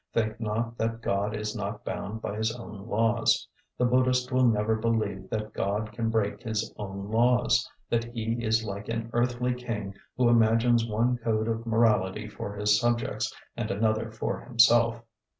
Think not that God is not bound by His own laws. The Buddhist will never believe that God can break His own laws; that He is like an earthly king who imagines one code of morality for his subjects and another for himself.